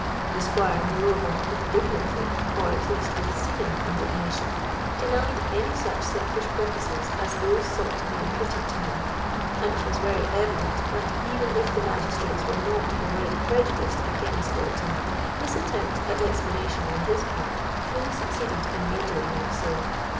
The Squire, moreover, indignantly—or, at least, with seeming indignation—denied any such selfish purposes as those sought to be imputed to him; and it was very evident, that even if the magistrates were not already prejudiced against Dalton, this attempt at explanation on his part fully succeeded in rendering them so.